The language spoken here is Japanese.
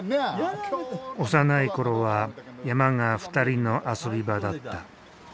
幼いころは山が２人の遊び場だった。